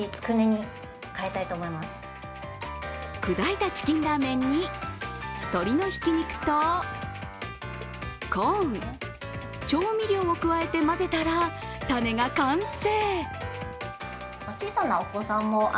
砕いたチキンラーメンに鶏のひき肉とコーン、調味料を加えて混ぜたらタネが完成。